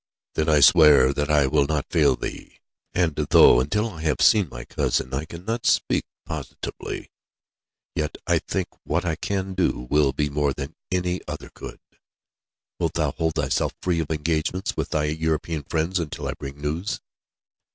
"Then I swear that I will not fail thee. And though until I have seen my cousin I cannot speak positively, yet I think what I can do will be more than any other could. Wilt thou hold thyself free of engagements with thy European friends, until I bring news?"